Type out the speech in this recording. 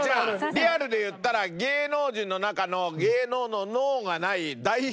リアルで言ったら芸能人の中の芸能の能がない代表格。